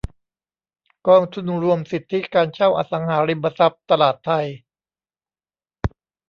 กองทุนรวมสิทธิการเช่าอสังหาริมทรัพย์ตลาดไท